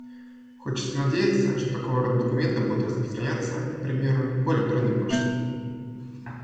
Хочется надеяться, что такого рода документы будут распространяться, к примеру, по электронной почте.